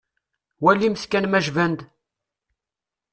Walimt kan ma jban-d.